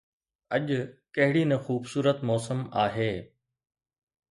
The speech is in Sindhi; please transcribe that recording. اڄ ڪهڙي نه خوبصورت موسم آهي